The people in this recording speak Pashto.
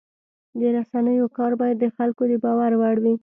د رسنیو کار باید د خلکو د باور وړ وي.